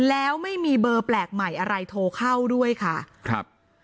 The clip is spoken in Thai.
แล้วไม่มีเบอร์แปลกใหม่อะไรโทรเข้าด้วยค่ะครับ